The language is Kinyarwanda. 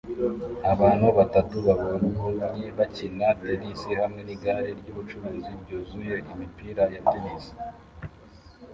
Abantu batatu babonye bakina tennis hamwe nigare ryubucuruzi ryuzuye imipira ya tennis